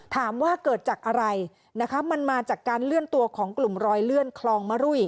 ถามว่าเกิดจากอะไรนะคะมันมาจากการเลื่อนตัวของกลุ่มรอยเลื่อนคลองมะรุ่ย